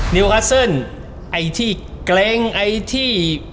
นิวคัสเซิลไอ้ที่เกร็งไอ้ที่